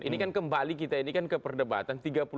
ini kan kembali kita ini kan ke perdebatan